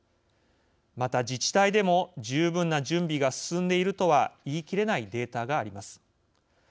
また自治体でも十分な準備が進んでいるとは言い切れないデータがあります。